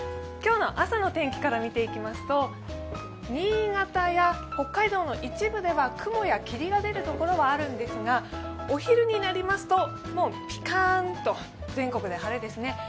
今日の朝の天気から見ていきますと新潟や北海道の一部では雲や霧が出る所があるんですがお昼になりますと、もうピカーンと全国で晴れですね。